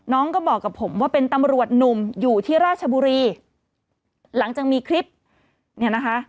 น้องก็บอกกับผมว่าเป็นตำรวจหนุ่มอยู่ที่ราชบุรีหลังจากมีคลิปเนี่ยนะคะ